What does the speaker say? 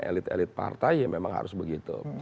elit elit partai ya memang harus begitu